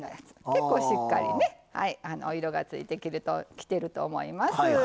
結構しっかりねお色がついてきてると思います。